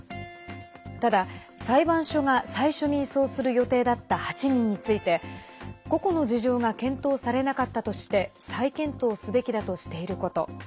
ただ、裁判所が最初に移送する予定だった８人について、個々の事情が検討されなかったとして再検討すべきだとしていること。